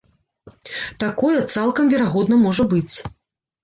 Такое цалкам верагодна можа быць.